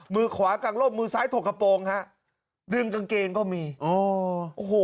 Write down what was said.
มือขวากลางร่มมือซ้ายถกกระโปรงฮะดึงกางเกงก็มีอ๋อโอ้โห